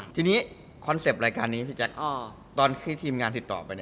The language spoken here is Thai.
ทีนี้คอนเซ็ปต์รายการนี้พี่แจ๊คตอนที่ทีมงานติดต่อไป